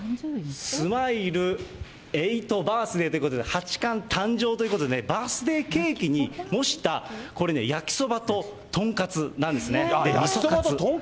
スマイルエイトバースデーということで、八冠誕生ということでね、バースデーケーキに模した、これね、焼きそばと豚カツなの？